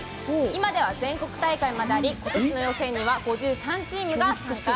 今では全国大会まであり今年の予選には５３チームが参加。